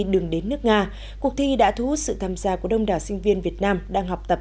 đường đến nước nga cuộc thi đã thu hút sự tham gia của đông đảo sinh viên việt nam đang học tập